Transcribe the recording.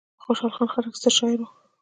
خوشحال خان خټک ستر شاعر و.